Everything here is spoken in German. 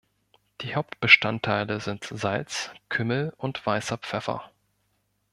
Die Hauptbestandteile sind Salz, Kümmel und weißer Pfeffer.